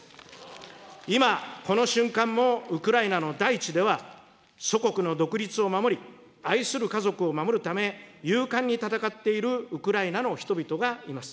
今、この瞬間もウクライナの大地では、祖国の独立を守り、愛する家族を守るため、勇敢に戦っているウクライナの人々がいます。